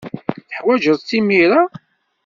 Teḥwajeḍ-tt imir-a?